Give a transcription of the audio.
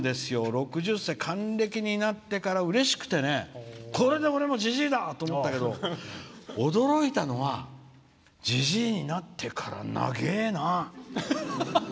６０歳、還暦になってからうれしくてこれで俺も、じじいだ！と思ったけど、驚いたけどじじいになってから長えな！